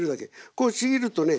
こうちぎるとね